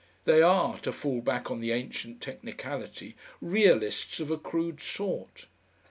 They are to fall back on the ancient technicality Realists of a crude sort.